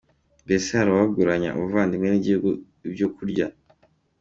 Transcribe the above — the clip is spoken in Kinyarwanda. Mbese hari uwagurana abavandimwe n’igihugu ibyo kurya?